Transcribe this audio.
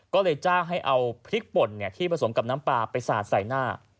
ก็เลยจ้างให้เอาพริกป่นที่ผสมกับน้ำปลาไปสาดใส่หน้า